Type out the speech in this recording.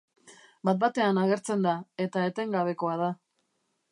Bat-batean agertzen da, eta etengabekoa da.